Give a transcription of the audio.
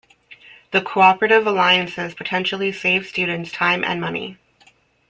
The Cooperative Alliances potentially save students time and money.